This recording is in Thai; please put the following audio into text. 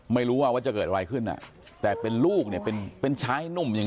ไม่รู้ว่าว่าจะเกิดอะไรขึ้นอ่ะแต่เป็นลูกเนี่ยเป็นเป็นชายหนุ่มอย่าง